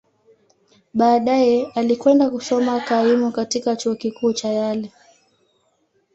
Baadaye, alikwenda kusoma kaimu katika Chuo Kikuu cha Yale.